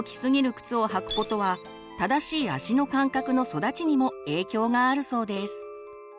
靴を履くことは「正しい足の感覚の育ち」にも影響があるそうです。